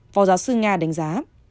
phó giáo sư nga đánh giá